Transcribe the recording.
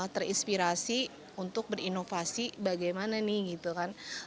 terinspirasi untuk berinovasi bagaimana nih gitu kan